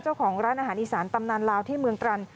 เจ้าของร้านอาหารอีสานตำนานลาวที่เมืองตรัง